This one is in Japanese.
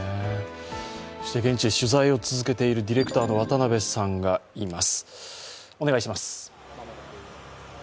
現地で取材を続けているディレクターの渡部さんがいます。